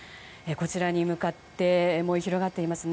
こちらに向かって燃え広がっていますね。